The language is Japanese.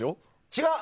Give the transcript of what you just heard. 違う！